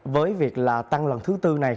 với việc là tăng lần thứ bốn này